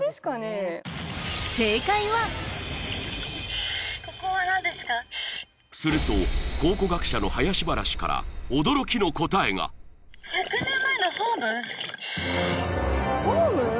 正解はすると考古学者の林原氏から驚きの答えがホーム？